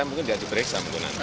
mungkin gak diperiksa